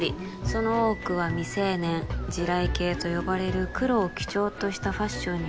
「その多くは未成年」「地雷系と呼ばれる黒を基調としたファッションに」